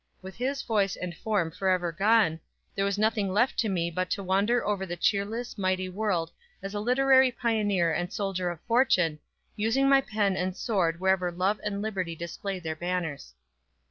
With his voice and form forever gone, there was nothing left to me but to wander over the cheerless, mighty world as a literary pioneer and soldier of fortune, using my pen and sword wherever Love and Liberty displayed their banners.